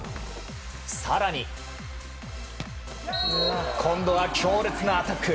更に、今度は強烈なアタック！